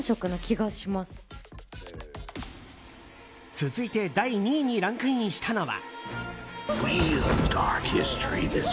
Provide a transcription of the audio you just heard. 続いて第２位にランクインしたのは。